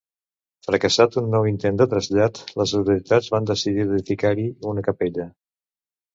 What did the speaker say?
Fracassat un nou intent de trasllat, les autoritats van decidir d'edificar-hi una capella.